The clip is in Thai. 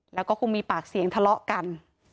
แล้วก็คงมีปากเสียงทะเลาะกัน